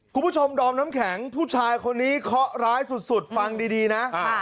ดอมน้ำแข็งผู้ชายคนนี้เคาะร้ายสุดฟังดีนะ